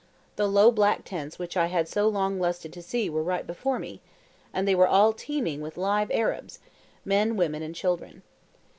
The low black tents which I had so long lusted to see were right before me, and they were all teeming with live Arabs—men, women, and children.